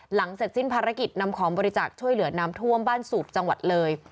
หลังเสร็จสิ้นภารกิจนำของบริจาคช่วยเหลือน้ำท่วมบ้านสูบจังหวัดเลย